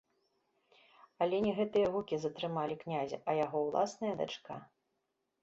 Але не гэтыя гукі затрымалі князя, а яго ўласная дачка.